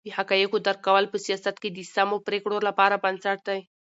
د حقایقو درک کول په سیاست کې د سمو پرېکړو لپاره بنسټ دی.